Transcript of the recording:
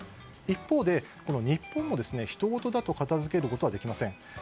一方で日本も、ひとごとだと片づけることはできません。